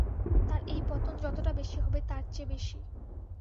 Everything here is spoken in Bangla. তার এই পতন যতটা বেশি হবে তার চেয়ে বেশি।